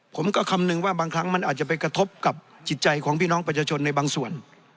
คำนึงว่าบางครั้งมันอาจจะไปกระทบกับจิตใจของพี่น้องประชาชนในบางส่วน